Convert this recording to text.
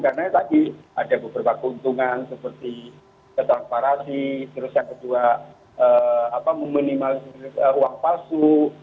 karena tadi ada beberapa keuntungan seperti tetap parasi terus yang kedua meminimalisir uang palsu